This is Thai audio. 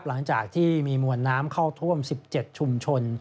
หลังจากที่มีมวลน้ำเข้าท่วม๑๗ชุมชน